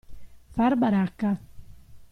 Far baracca.